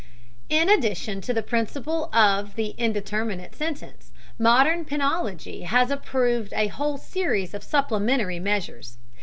In addition to the principle of the indeterminate sentence, modern penology has approved a whole series of supplementary measures.